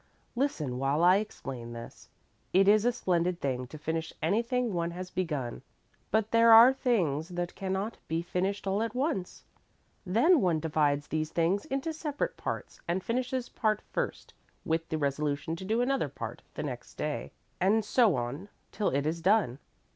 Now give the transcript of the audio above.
"Listen while I explain this. It is a splendid thing to finish anything one has begun, but there are things that cannot be finished all at once. Then one divides these things into separate parts and finishes part first with the resolution to do another part the next day, and so on till it is done.